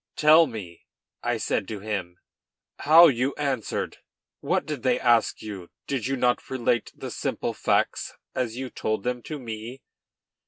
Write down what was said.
"Tell me," I said to him, "how you answered. What did they ask you? Did you not relate the simple facts as you told them to me?"